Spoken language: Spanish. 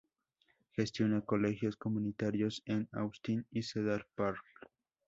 Gestiona colegios comunitarios en Austin y Cedar Park.